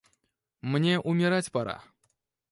Мне умирать пора.